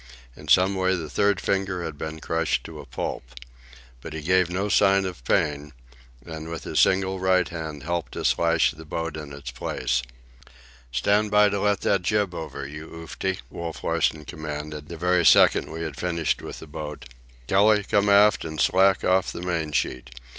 In some way the third finger had been crushed to a pulp. But he gave no sign of pain, and with his single right hand helped us lash the boat in its place. "Stand by to let that jib over, you Oofty!" Wolf Larsen commanded, the very second we had finished with the boat. "Kelly, come aft and slack off the main sheet!